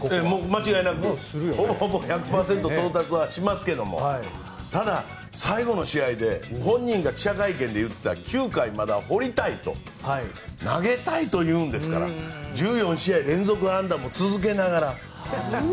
間違いなくほぼほぼ１００％到達はしますけどもただ、最後の試合で本人が記者会見で言った９回までは放りたいと投げたいというんですから１４試合連続安打も続けながら。